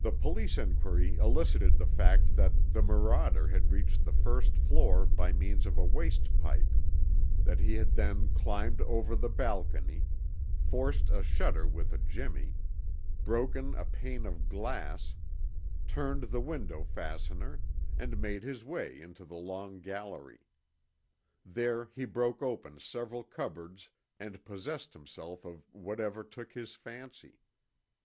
The police enquiry elicited the fact that the marauder had reached the first floor by means of the waste pipe, that he had then climbed over the balcony, forced a shutter with a jemmy, broken a pane of glass, turned the window fastener, and made his way into the long gallery. There he broke open several cupboards and possessed himself of whatever took his fancy.